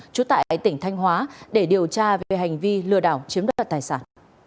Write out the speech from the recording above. trú tại tỉnh thanh hóa để điều tra về hành vi lừa đảo chiếm đoạt tài sản